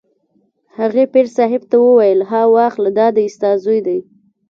هغې پیر صاحب ته وویل: ها واخله دا دی ستا زوی دی.